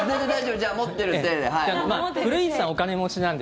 じゃあ、持ってる体で。